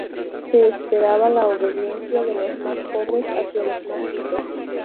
Se esperaba la obediencia de los más pobres hacia los más ricos.